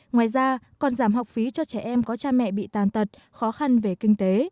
ngoài ra còn giảm học phí cho trẻ em có cha mẹ bị tàn tật khó khăn về kinh tế